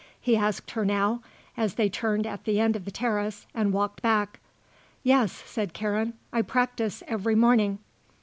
he asked her now, as they turned at the end of the terrace and walked back. "Yes," said Karen; "I practise every morning."